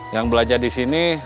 yang belajar di sini